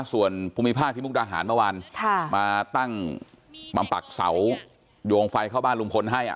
ส่วนภูมิภาคที่มุกดาหารเมื่อวานมาตั้งมาปักเสาดวงไฟเข้าบ้านลุงพลให้